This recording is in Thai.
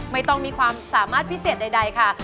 ไม่ต้องมีความสามารถพิเศษใดค่ะ